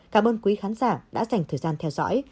cảm ơn quý khán giả đã dành thời gian theo dõi